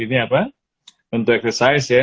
ini apa untuk exercise ya